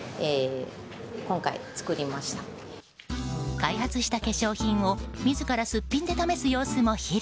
開発した化粧品を自らすっぴんで試す様子も披露。